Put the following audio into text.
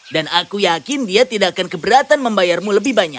dan aku yakin dia tidak akan keberatan membayarmu lebih banyak